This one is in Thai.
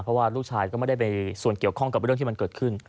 เพราะว่าลูกชายก็ไม่ได้ไปส่วนเกี่ยวข้องกับเรื่องที่มันเกิดขึ้น